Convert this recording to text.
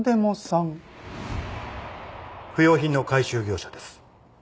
不用品の回収業者です。